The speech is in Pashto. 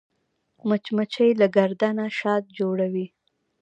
مچمچۍ له ګرده نه شات جوړوي